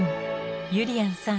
ゆりやんさん